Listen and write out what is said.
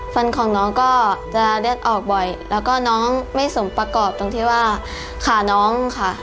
ฟันของน้องก็จะเลือดออกบ่อยแล้วก็น้องไม่สมประกอบตรงที่ว่าขาน้องค่ะ